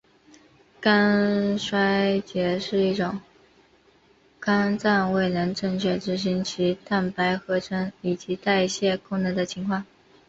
肝衰竭是一种肝脏未能正常执行其蛋白合成以及代谢功能的情况。